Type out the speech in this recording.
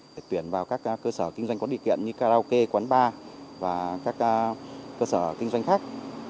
để tuyển vào các cơ sở kinh doanh có điều kiện như karaoke quán bar và các cơ sở kinh doanh khác